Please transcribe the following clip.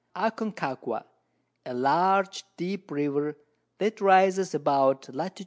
Aconcagua, a large deep River that rises about Lat.